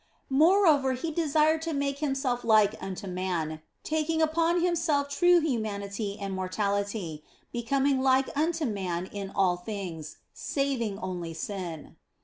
Moreover, He desired to make Himself like unto man, taking upon Himself true humanity and mortality, be coming like unto man in all things, saving only sin.